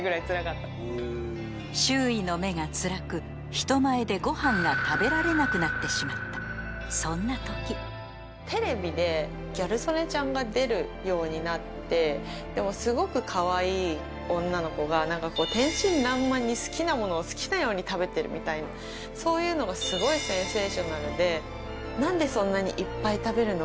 周囲の目がつらく人前でご飯が食べられなくなってしまったそんな時が出るようになってですごくかわいい女の子が何か天真らんまんに好きなものを好きなように食べてるみたいなそういうのがすごいセンセーショナルで何でそんなにいっぱい食べるの？